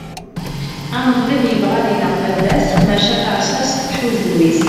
aneḍlib yebɣa ad ineɣ baba-s maca tarsast tḥuz mmi-s